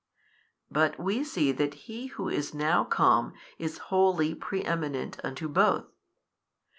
But we see that He Who is now come is wholly pre eminent unto both.